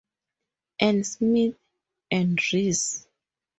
And Smith, and Rees.